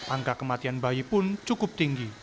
angka kematian bayi pun cukup tinggi